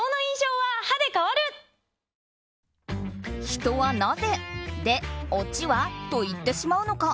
人はなぜで、オチは？と言ってしまうのか。